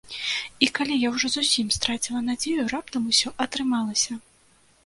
І калі я ўжо зусім страціла надзею, раптам ўсё атрымалася!